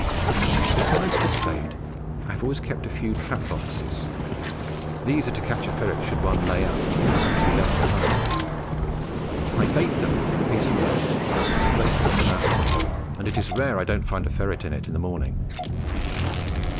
Besides the spade, I have always kept a few trap boxes. These are to catch a ferret should one lay up and have to be left behind. I bait them with a piece of rat and place them at the mouth of the hole, and it is rare I don't find the ferret in it in the morning.